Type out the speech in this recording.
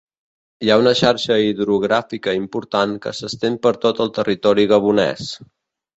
Hi ha una xarxa hidrogràfica important que s'estén per tot el territori gabonès.